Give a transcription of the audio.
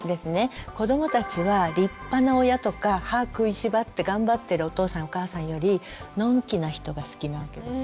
子どもたちは立派な親とか歯をくいしばって頑張ってるお父さんお母さんよりのんきな人が好きなわけです。